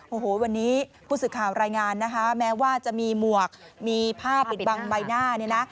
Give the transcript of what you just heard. โอ้โหวันนี้ผู้สื่อข่าวรายงานนะคะแม้ว่าจะมีหมวกมีผ้าปิดบังใบหน้าเนี่ยนะ